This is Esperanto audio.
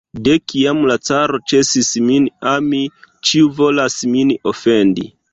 De kiam la caro ĉesis min ami, ĉiu volas min ofendi!